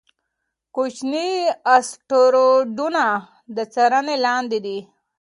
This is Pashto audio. کوچني اسټروېډونه د څارنې لاندې دي.